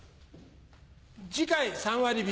次回３割引。